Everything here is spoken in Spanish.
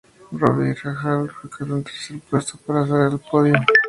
Bobby Rahal quedó en tercer puesto para cerrar el podio.